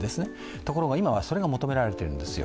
ところが今は、それが求められているんですよ。